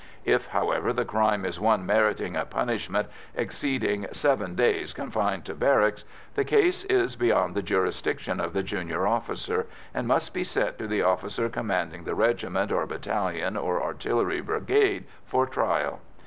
If, however, the crime is one meriting a punishment exceeding "seven days confined to barracks," the case is beyond the jurisdiction of the junior officer, and must be sent to the officer commanding the regiment or battalion or artillery brigade for trial.